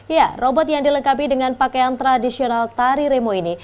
ya robot yang dilengkapi dengan pakaian tradisional tari remo ini